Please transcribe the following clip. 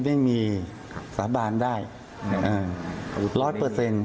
ไม่มีฟรานดี้แสดงได้